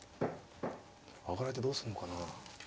上がられてどうすんのかな。